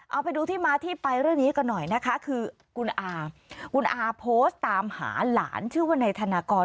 เอาไปดูที่มาที่ไปเรื่องนี้กันหน่อยนะคะคือคุณอาคุณอาโพสต์ตามหาหลานชื่อว่านายธนากร